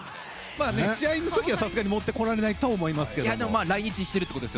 試合の時はさすがに持ってこられないとは思いますが。